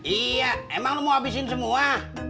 iya emang lo mau habisin semua